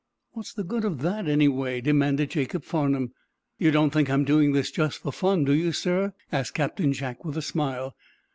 "What's the good of that, anyway?" demanded Jacob Farnum. "You don't think I'm doing this just for fun, do you, sir?" asked Captain Jack, with a smile.